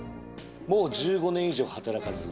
「もう１５年以上働かず」